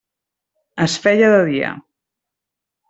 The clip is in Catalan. Es feia de dia.